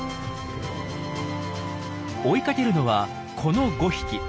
追いかけるのはこの５匹。